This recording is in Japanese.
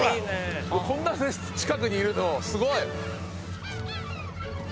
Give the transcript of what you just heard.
こんな近くにいるのすごい。